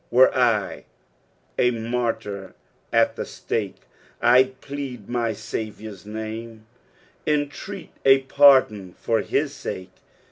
" Were I a martyr at the stake, I'd plead nw aavjour's name, Intreat a pardon for hlo sake.